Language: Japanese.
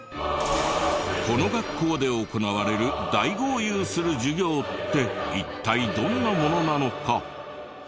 この学校で行われる大豪遊する授業って一体どんなものなのか？